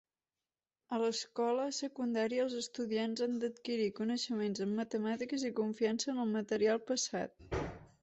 A l'escola secundària, els estudiants han d'adquirir coneixements en matemàtiques i confiança en el material passat.